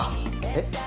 えっ？